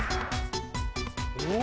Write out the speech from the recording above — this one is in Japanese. お！